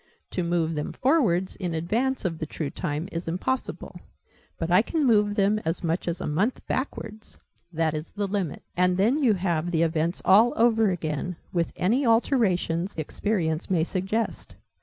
To move them forwards, in advance of the true time, is impossible: but I can move them as much as a month backwards that is the limit. And then you have the events all over again with any alterations experience may suggest."